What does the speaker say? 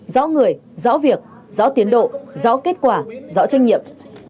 rõ người rõ việc rõ tiến độ rõ kết quả rõ trách nhiệm